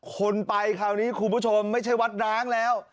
คนไปคราวนี้คุณผู้ชมไม่ใช่วัดร้างแล้ว